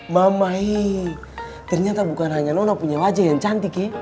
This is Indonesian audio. mamai ternyata bukan hanya nono punya wajah yang cantik ya